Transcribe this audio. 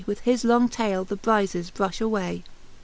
With his long taile the bryzes brufli away..